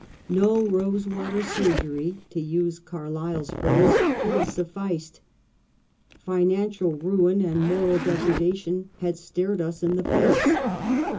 No " rose water surgery " (to use Carlyle's phrase) could have sufficed. Financial ruin and moral degradation had stared us in the face.